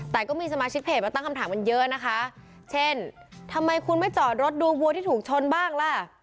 แต่ก็มีสมาชิกเพจมาตั้งคำถามกันเยอะนะคะเช่นทำไมคุณไม่จอดรถดูวัวที่ถูกชนบ้างล่ะ